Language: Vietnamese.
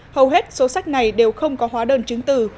hầu hết số sách này đều không có hóa đơn chứng từ